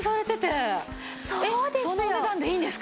えっそのお値段でいいんですか？